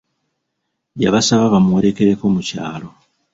Yabasaba bamuwerekeleko mu kyalo!